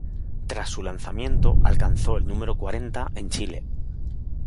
Tras su lanzamiento, alcanzó el número "cuarenta" en Chile.